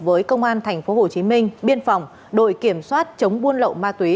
với công an tp hcm biên phòng đội kiểm soát chống buôn lậu ma túy